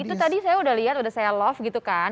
itu tadi saya udah lihat udah saya love gitu kan